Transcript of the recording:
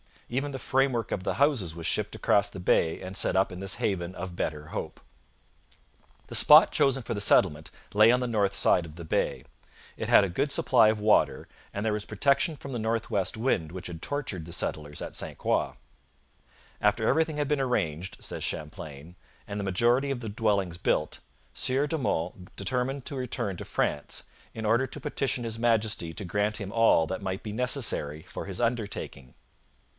Even the framework of the houses was shipped across the bay and set up in this haven of better hope. The spot chosen for the settlement lay on the north side of the bay. It had a good supply of water, and there was protection from the north west wind which had tortured the settlers at St Croix. 'After everything had been arranged,' says Champlain, 'and the majority of the dwellings built, Sieur de Monts determined to return to France, in order to petition His Majesty to grant him all that might be necessary for his undertaking.'